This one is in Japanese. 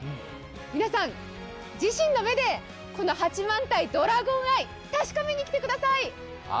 皆さん、自身の目でこの八幡平ドラゴンアイ、確かめに来てください！